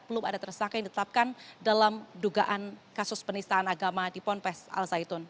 belum ada tersangka yang ditetapkan dalam dugaan kasus penistaan agama di ponpes al zaitun